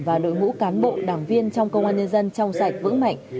và đội ngũ cán bộ đảng viên trong công an nhân dân trong sạch vững mạnh